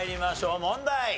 問題。